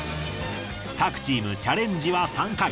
各チームチャレンジは３回。